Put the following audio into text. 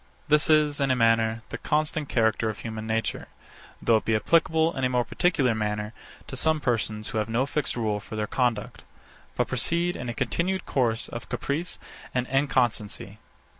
This is, in a manner, the constant character of human nature; though it be applicable, in a more particular manner, to some persons who have no fixed rule for their conduct, but proceed in a continued course of caprice and inconstancy.